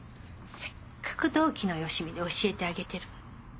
せっかく同期のよしみで教えてあげてるのに。